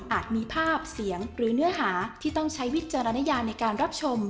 มีภาพเสียงหรือเนื้อหาที่ต้องใช้วิจารณญาในการรับชม